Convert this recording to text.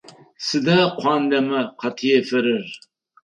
Сыда куандэмэ къатефэрэр?